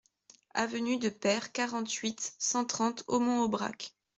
Avenue de Peyre, quarante-huit, cent trente Aumont-Aubrac